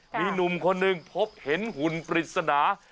มีหนุ่มคนหนึ่งพบเห็นหุ่นปริศนา